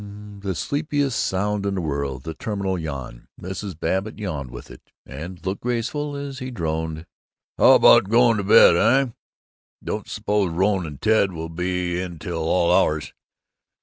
"Wellllllllll, uh " That sleepiest sound in the world, the terminal yawn. Mrs. Babbitt yawned with it, and looked grateful as he droned, "How about going to bed, eh? Don't suppose Rone and Ted will be in till all hours.